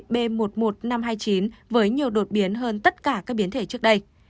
b một mươi một nghìn năm trăm hai mươi chín với nhiều đột biến hơn tất cả các biến thể trước đây